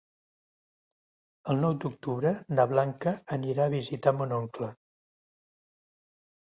El nou d'octubre na Blanca anirà a visitar mon oncle.